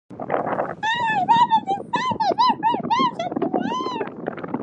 It was thus a "de facto" declaration of war.